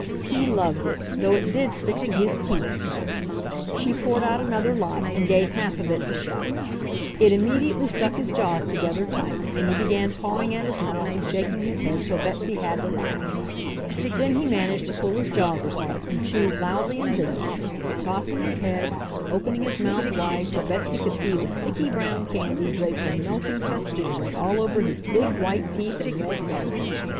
He loved it, though it did stick to his teeth so! She poured out another lot and gave half of it to Shep. It immediately stuck his jaws together tight, and he began pawing at his mouth and shaking his head till Betsy had to laugh. Then he managed to pull his jaws apart and chewed loudly and visibly, tossing his head, opening his mouth wide till Betsy could see the sticky, brown candy draped in melting festoons all over his big white teeth and red gullet.